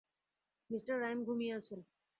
Mr Rhyme ঘুমিয়ে আছে।